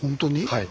はい。